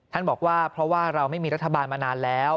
บอกว่าเพราะว่าเราไม่มีรัฐบาลมานานแล้ว